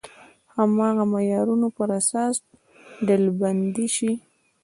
هماغه معیارونو پر اساس ډلبندي شي.